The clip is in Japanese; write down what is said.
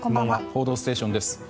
「報道ステーション」です。